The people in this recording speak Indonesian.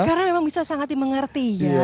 karena memang bisa sangat dimengerti ya